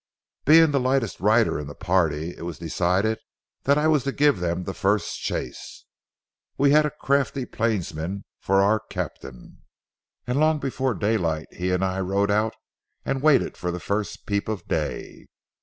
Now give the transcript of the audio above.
"Being the lightest rider in the party, it was decided that I was to give them the first chase. We had a crafty plainsman for our captain, and long before daylight he and I rode out and waited for the first peep of day.